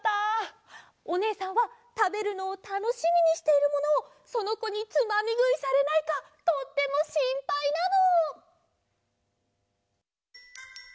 おねえさんはたべるのをたのしみにしているものをそのこにつまみぐいされないかとってもしんぱいなの。